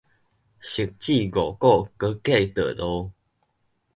汐止五股高架道路